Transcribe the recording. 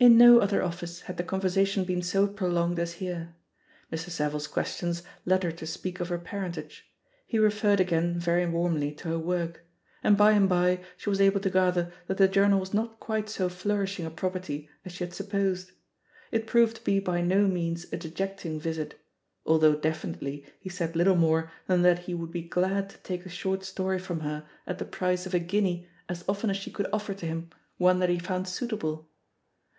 In no other office had the conversation been so prolonged as here. Mr. Savile's questions led her to speak of her parentage ; he referred again very warmly to her work ; and by and by she was able to gather that the journal was not quite so flourishing a property as she had supposed. It proved to be by no means a dejecting visit, al though definitely he said little more than that he would be glad to take a short story from her at THE POSITION OF PEGGY HARPER «09 the price of a guinea as often as she could offer to him one that he found suitable.